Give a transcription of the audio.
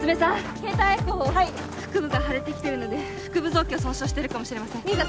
携帯エコーを腹部が腫れてきてるので腹部臓器を損傷してるかもしれませんミンさん